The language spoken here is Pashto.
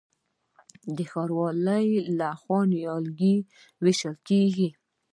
د ښاروالۍ لخوا نیالګي ویشل کیږي.